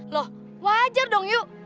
loh wajar dong yuk